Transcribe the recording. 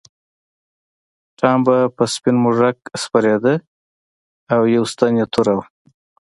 ټام به په سپین موږک سپرېده او یوه ستن یې توره وه.